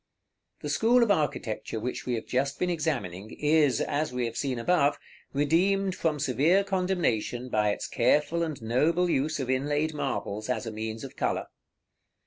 § XXXIX. The school of architecture which we have just been examining is, as we have seen above, redeemed from severe condemnation by its careful and noble use of inlaid marbles as a means of color.